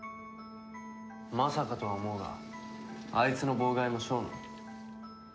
まさかとは思うがあいつの妨害もショーの。